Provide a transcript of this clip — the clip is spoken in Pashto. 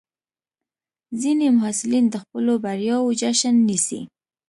ځینې محصلین د خپلو بریاوو جشن نیسي.